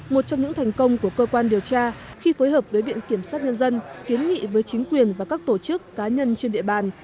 một trong những thành công của cơ quan điều tra khi phối hợp với viện kiểm sát nhân dân kiến nghị với chính quyền và các tổ chức cá nhân trên địa bàn